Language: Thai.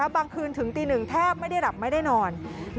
คืนถึงตีหนึ่งแทบไม่ได้หลับไม่ได้นอน